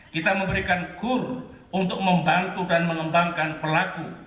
kita memberikan kur untuk membantu dan mengembangkan pelaku